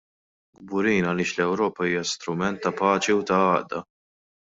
Kburin għaliex l-Ewropa hija strument ta' paċi u ta' għaqda.